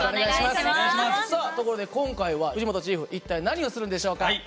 さあところで今回は藤本チーフ一体何をするんでしょうか？